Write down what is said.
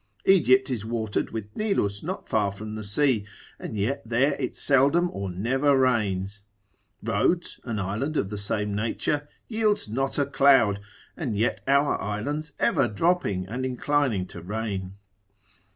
Egypt is watered with Nilus not far from the sea, and yet there it seldom or never rains: Rhodes, an island of the same nature, yields not a cloud, and yet our islands ever dropping and inclining to rain.